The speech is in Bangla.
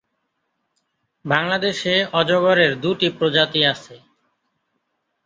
বাংলাদেশে অজগরের দুটি প্রজাতি আছে।